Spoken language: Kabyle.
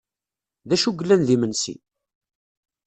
D acu yellan d imensi?